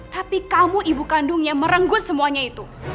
tapi kamu ibu kandungnya merenggut semuanya itu